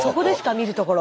見るところ。